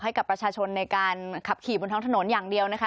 ให้กับประชาชนในการขับขี่บนท้องถนนอย่างเดียวนะคะ